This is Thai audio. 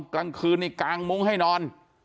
กลางคืนนี่กางมุ้งให้นอน